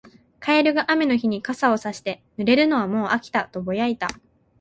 カエルが雨の日に傘をさして、「濡れるのはもう飽きた」とぼやいた。